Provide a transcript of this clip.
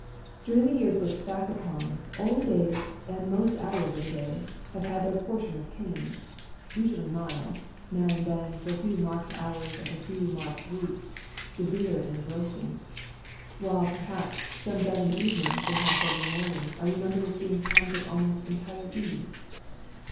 During the year looked back upon^ all the days, and most hours of the day, have had their portion of pain — ^usually mild— now and then, for a few marked hours of a few marked weeks, severe and engrossing ; while, perhaps, some dozen evenings, and half dozen mornings, are remembered as being times of almost entire ease.